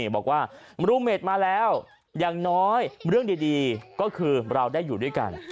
บอกว่ารูเมดมาแล้วอย่างน้อยเรื่องดีก็คือเราได้อยู่ด้วยกัน